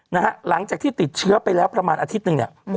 หลังจากที่ติดเชื้อไปแล้วประมาณอาทิตย์หนึ่งเนี่ย